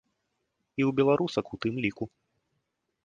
І ў беларусак ў тым ліку.